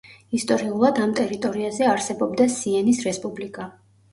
ისტორიულად, ამ ტერიტორიაზე არსებობდა სიენის რესპუბლიკა.